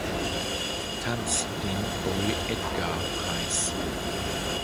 Tans den Boy-Edgar-Preis.